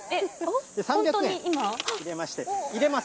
３００円入れまして、入れます。